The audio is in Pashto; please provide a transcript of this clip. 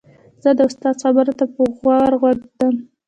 زه د استاد خبرو ته په غور غوږ ږدم.